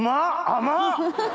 甘っ！